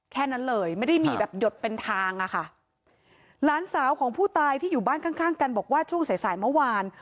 แค่นั้นเลยไม่ได้มีแบบหยดเป็นทางอะค่ะหลานสาวของผู้ตายที่อยู่บ้านข้างข้างกันบอกว่าช่วงสายสายเมื่อวาน